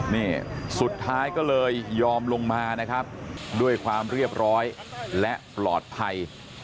นี่สุดท้ายก็เลยยอมลงมานะครับด้วยความเรียบร้อยและปลอดภัย